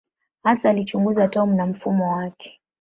Hasa alichunguza atomu na mfumo wake.